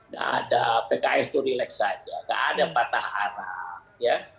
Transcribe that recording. gak ada pks itu relax aja gak ada patah arah ya